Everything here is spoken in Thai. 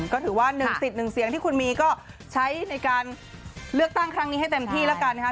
ก็ถือว่าหนึ่งสิทธิ์หนึ่งเสียงที่คุณมีก็ใช้ในการเลือกตั้งครั้งนี้ให้เต็มที่แล้วกันนะคะ